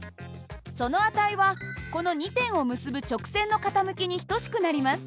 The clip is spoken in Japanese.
その値はこの２点を結ぶ直線の傾きに等しくなります。